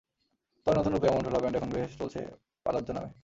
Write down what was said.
তবে নতুন রূপে এমন ঢোলা প্যান্ট এখন বেশ চলছে পালাজ্জো নামে।